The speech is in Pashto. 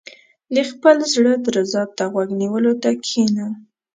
• د خپل زړۀ درزا ته غوږ نیولو ته کښېنه.